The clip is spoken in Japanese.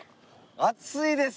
暑いです。